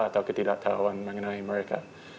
atau ketidaktahuan mengenai mereka